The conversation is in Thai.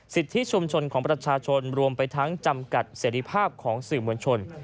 สิทธิชุมชนของประชาชนรวมไปทั้งจำกัดเสรีภาพของสื่อมวลชน